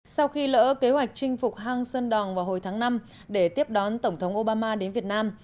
sau khi lỡ kế hoạch chinh phục hang sơn đòn vào hồi tháng năm để tiếp đón tổng thống obama đến việt nam